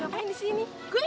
tante aku mau ke sini